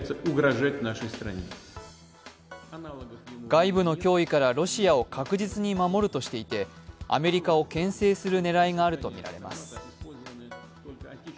外部の脅威からロシアを確実に守るとしていてアメリカをけん制する狙いがあるとみられます。